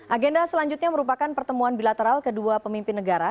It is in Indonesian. agenda selanjutnya merupakan pertemuan bilateral kedua pemimpin negara